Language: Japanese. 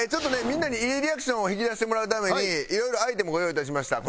みんなにいいリアクションを引き出してもらうためにいろいろアイテムご用意いたしました。